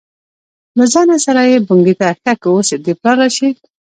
له ځانه سره یې بنګېده: ښه که اوس دې پلار راشي.